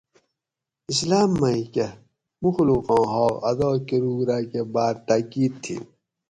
اسلام مئی کہ مخلوقاں حاق ادا کۤروگ راکہ باۤر تاکید تھی